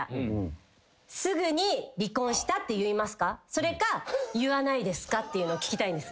それか言わないですかっていうのを聞きたいんですよ。